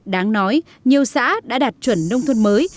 đáng nói nhiều xã đã đạt chuẩn nông thôn mới